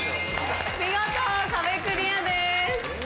見事壁クリアです。